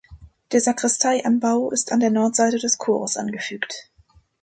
Der Sakristeianbau ist an der Nordseite des Chores angefügt.